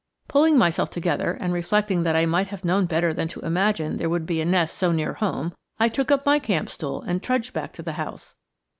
Pulling myself together and reflecting that I might have known better than to imagine there would be a nest so near home, I took up my camp stool and trudged back to the house.